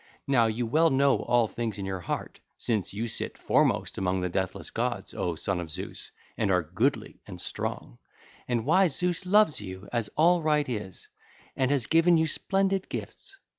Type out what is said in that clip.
Now you well know all things in your heart, since you sit foremost among the deathless gods, O son of Zeus, and are goodly and strong. And wise Zeus loves you as all right is, and has given you splendid gifts.